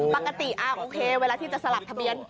ปกติโอเคเวลาที่จะสลับทะเบียน